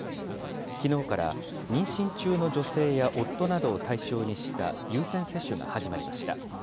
きのうから妊娠中の女性や夫などを対象にした優先接種が始まりました。